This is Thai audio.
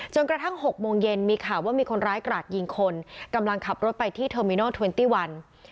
กระทั่ง๖โมงเย็นมีข่าวว่ามีคนร้ายกราดยิงคนกำลังขับรถไปที่เทอร์มินอลเทรนตี้วัน